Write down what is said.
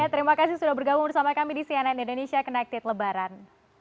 terima kasih sudah bergabung bersama kami di cnn indonesia connected lebaran